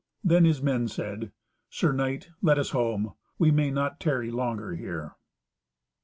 Then his men said, "Sir knight, let us home. We may not tarry longer here."